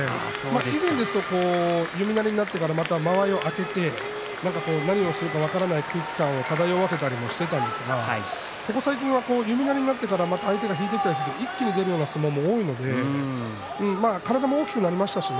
以前ですと弓なりになって間合いを空けて何をするか分からない空気感を漂わせていたんですがここ最近は弓なりになってから相手が引いて一気に出る相撲が多いので体も大きくなりましたし